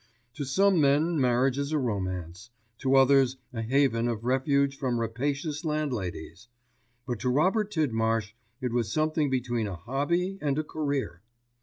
To some men marriage is a romance, to others a haven of refuge from rapacious landladies; but to Robert Tidmarsh it was something between a hobby and a career.